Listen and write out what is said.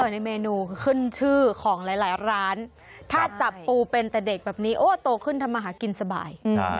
ในเมนูขึ้นชื่อของหลายร้านถ้าจับปูเป็นแต่เด็กแบบนี้โอ้โตขึ้นทำมาหากินสบาย